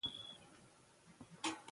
جلګه د افغانستان د شنو سیمو ښکلا ده.